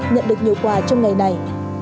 nhận được nhiều quà trong ngày này